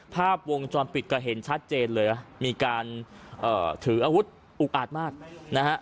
ภาพวงจรปิดก็เห็นชัดเจนเลยมีการถืออาวุธอุกอาจมากนะฮะ